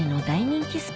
大人気！